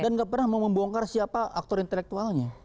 dan nggak pernah mau membongkar siapa aktor intelektualnya